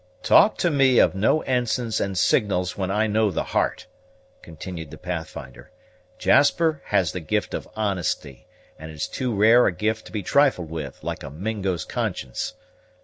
"Talk to me of no ensigns and signals when I know the heart," continued the Pathfinder. "Jasper has the gift of honesty; and it is too rare a gift to be trifled with, like a Mingo's conscience.